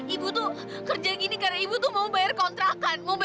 ibu tuh kerja gini karena ibu tuh mau bayar kontrakan